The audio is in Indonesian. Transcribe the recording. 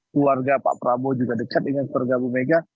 keluarga pak prabowo juga dekat dengan keluarga bu mega